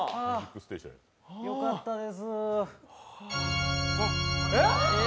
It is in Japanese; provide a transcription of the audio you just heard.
よかったです。